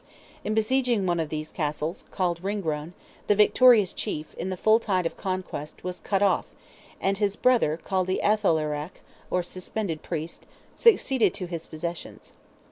In besieging one of these castles, called Ringrone, the victorious chief, in the full tide of conquest, was cut off, and his brother, called the Atheleireach (or suspended priest), succeeded to his possessions.